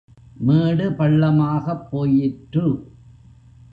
மேடு பள்ளமாகப் போயிற்று.